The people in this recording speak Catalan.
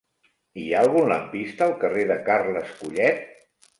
Hi ha algun lampista al carrer de Carles Collet?